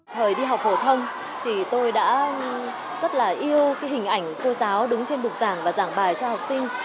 thời đi học phổ thông thì tôi đã rất là yêu hình ảnh cô giáo đứng trên bục giảng và giảng bài cho học sinh